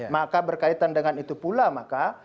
maka berkaitan dengan itu pula maka